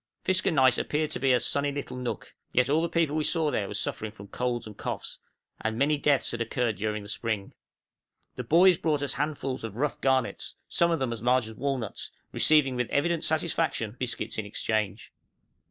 Fiskernaes appeared to be a sunny little nook, yet all the people we saw there were suffering from colds and coughs, and many deaths had occurred during the spring. The boys brought us handfuls of rough garnets, some of them as large as walnuts, receiving with evident satisfaction biscuits in exchange.